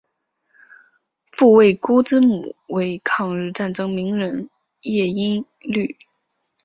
傅慰孤之母为抗日战争名人叶因绿。